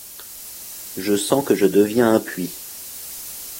Je sens que je deviens un puits !